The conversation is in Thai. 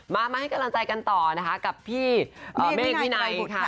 มามาให้กำลังใจกันต่อนะคะกับพี่เมฆวินัยค่ะ